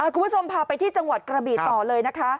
คุณผู้ชมพาไปที่จังหวัดกระบีต่อเลยนะคะ